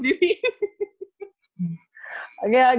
kakak yang punya pacar temen sendiri